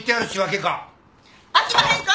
あきまへんか！？